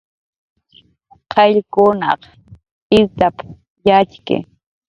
"Qayllkunaq irt""ap"" yatxki"